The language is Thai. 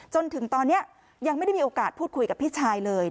จนถึงตอนนี้ยังไม่ได้มีโอกาสพูดคุยกับพี่ชายเลย